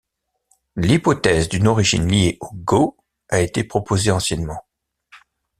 L'hypothèse d'une origine liée aux Goths a été proposée anciennement.